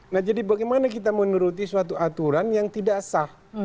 nah jadi bagaimana kita menuruti suatu aturan yang tidak sah